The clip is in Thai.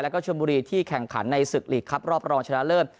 แล้วก็ชนบุรีที่แข่งขันในศึกลีกครับรอบรองชนะเลิศ